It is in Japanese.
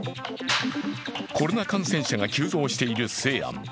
コロナ感染者が急増している西安。